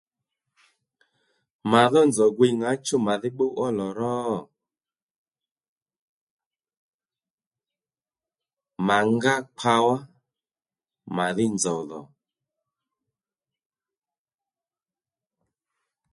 Mà dhó nzòw gwiy ŋǎchú màdhí pbʉw ó lò ró? Ma ngá kpawá màdhí nzòw dhò